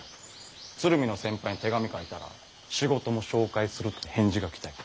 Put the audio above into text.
鶴見の先輩に手紙書いたら仕事も紹介するって返事が来たよ。